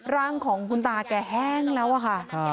ร่างของคุณตาแกแห้งแล้วอะค่ะ